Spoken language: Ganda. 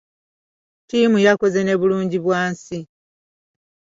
Ttiimu yakoze ne bulungibwansi.